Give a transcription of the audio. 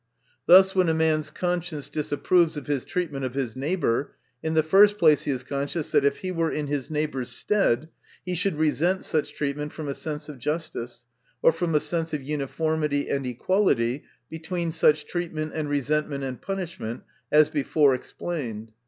Thus, when a man's conscience disapproves of his treatment of his neighbor, in the first place he is conscious 2S8 THE MATURE OF VIRTUE. that if he were in his neighbor's stead, he should resent such treatment, from a sense of justice, or from a sense of uniformity and equality between such treat ment and resentment and punishment, as before explained.